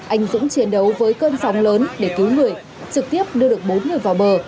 anh dũng chiến đấu với cơn sóng lớn để cứu người trực tiếp đưa được bốn người vào bờ